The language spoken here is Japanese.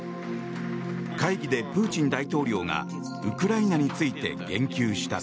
会議でプーチン大統領がウクライナについて言及した。